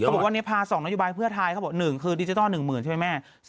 บอกว่าพา๒นโยบายเพื่อไทยเขาบอก๑คือดิจิทัล๑๐๐๐ใช่ไหมแม่